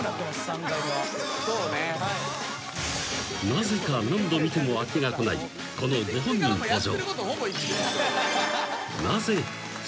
［なぜか何度見ても飽きがこないこのご本人登場］